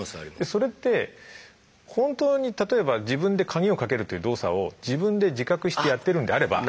それって本当に例えば自分で鍵をかけるという動作を自分で自覚してやってるんであれば。